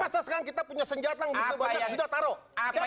masa sekarang kita punya senjata yang betul betul sudah taruh